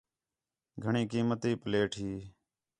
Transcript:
گھݨیں قیمتی پلیٹ ہی